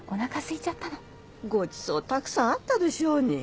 ごちそうたくさんあったでしょうに。